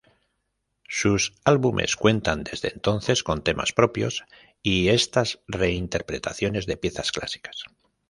Sus álbumes cuentan desde entonces con temas propios y estas reinterpretaciones de piezas clásicas.